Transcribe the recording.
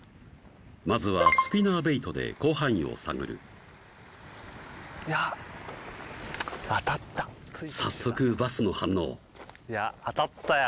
まずはスピナーベイトで広範囲を探るやっ当たった早速バスの反応いや当たったよ